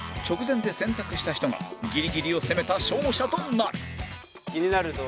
直前で選択した人がギリギリを攻めた勝者となる